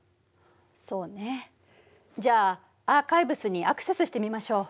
そうねじゃあアーカイブスにアクセスしてみましょう。